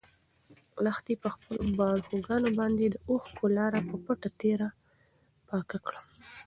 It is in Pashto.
لښتې په خپلو باړخوګانو باندې د اوښکو لاره په پټه تېره پاکه کړه.